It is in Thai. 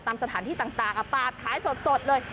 ตามสถานที่ต่างปาดขายสดเลย